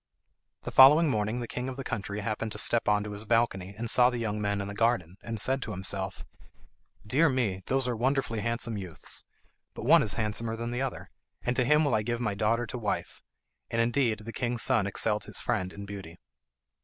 The following morning the king of the country happened to step on to his balcony, and saw the young men in the garden, and said to himself, "Dear me, those are wonderfully handsome youths; but one is handsomer than the other, and to him will I give my daughter to wife;" and indeed the king's son excelled his friend in beauty.